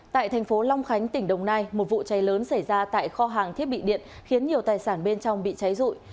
tại thành phố long khánh tỉnh đồng nai một vụ cháy lớn xảy ra tại kho hàng thiết bị điện khiến nhiều tài sản bên trong bị cháy rụi